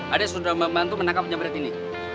adek sudah membantu menangkap penjahat ini